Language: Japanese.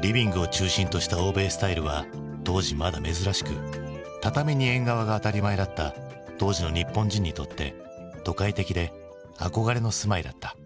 リビングを中心とした欧米スタイルは当時まだ珍しく「畳に縁側」が当たり前だった当時の日本人にとって都会的で憧れの住まいだった。